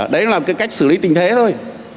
đấy là cái cách xử lý tình thế thôi